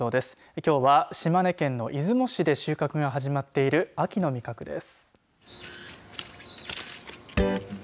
きょうは島根県の出雲市で収穫が始まっている秋の味覚です。